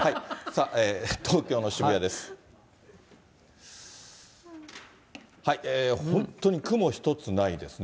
さあ、東京の渋谷です。